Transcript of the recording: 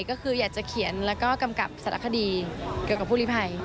ก็คืออยากจะเขียนแล้วก็กำกับสารคดีเกี่ยวกับผู้ลิภัย